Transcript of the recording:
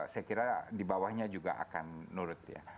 saya kira di bawahnya juga akan nurut ya